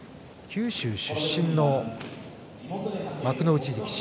九州出身の幕内力士